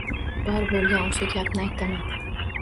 Bor bo‘lgan o‘sha gapni aytaman.